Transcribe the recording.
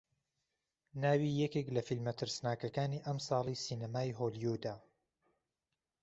ناوی یەکێک لە فیلمە ترسناکەکانی ئەمساڵی سینەمای هۆلیوودە